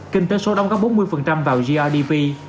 kinh tế số đông gấp bốn mươi vào grdp